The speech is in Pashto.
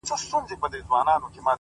د ناروا زوی نه یم”